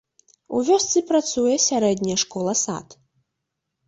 У вёсцы працуе сярэдняя школа-сад.